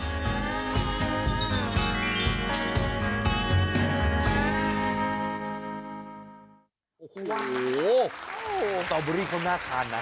สตอเบอรี่เข้าหน้าทานนะ